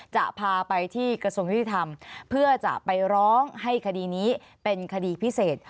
จะพาไปที่กระทรวงยุติธรรมเพื่อจะไปร้องให้คดีนี้เป็นคดีพิเศษ